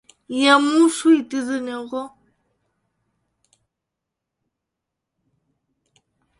Я мушу йти за нього.